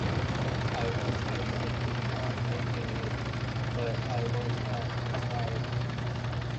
I was having a good time making it but I was not inspired.